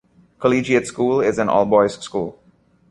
Collegiate School is an all-boys school.